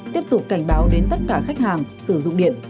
tiếp tục cảnh báo đến tất cả khách hàng sử dụng điện